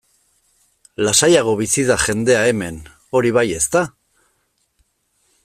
Lasaiago bizi da jendea hemen, hori bai, ezta?